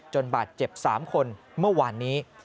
บาดเจ็บ๓คนเมื่อวานนี้